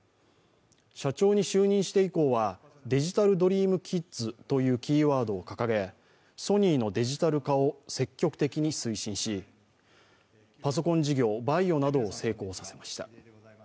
社長に就任して以降はデジタル・ドリーム・キッズというキーワードを掲げソニーのデジタル化を積極的に推進しパソコン事業、ＶＡＩＯなどを成功させました。